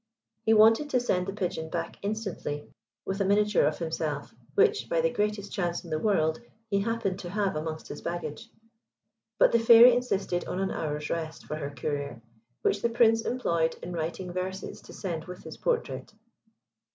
He wanted to send the Pigeon back instantly with a miniature of himself, which, by the greatest chance in the world, he happened to have amongst his baggage; but the Fairy insisted on an hour's rest for her courier, which the Prince employed in writing verses to send with his portrait.